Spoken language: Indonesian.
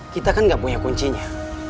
kita kan gak punya kuncinya